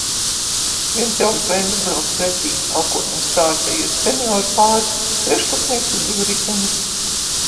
Viens jauns bembis brauc pretī, elkoņos saāķējies senioru pāris, trešklasnieks uz divriteņa.